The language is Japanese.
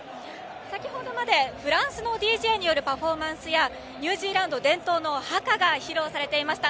先程までフランスのＤＪによるパフォーマンスやニュージーランド伝統のハカが披露されていました。